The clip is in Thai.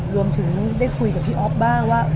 รวมถึงได้คุยกับพี่อ๊อฟบ้างว่า